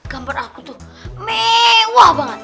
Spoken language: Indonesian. gambar aku tuh mewah banget